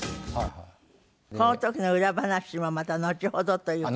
この時の裏話はまたのちほどという事で。